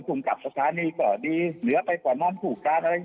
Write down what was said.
คุมกับศาสนีก็ดีเหลือไปกว่าน้องผู้การอะไร